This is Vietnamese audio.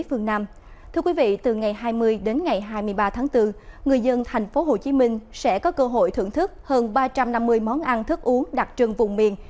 thưa quý vị từ ngày hai mươi đến ngày hai mươi ba tháng bốn người dân thành phố hồ chí minh sẽ có cơ hội thưởng thức hơn ba trăm năm mươi món ăn thức uống đặc trưng vùng miền